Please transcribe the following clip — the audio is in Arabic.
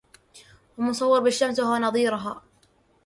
ومصور بالشمس وهو نظيرها